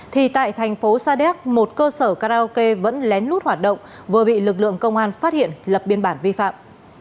thì tại thành phố sa đéc một cơ sở karaoke vẫn lén lút hoạt động vừa bị lực lượng công an phát hiện lập biên bản vi phạm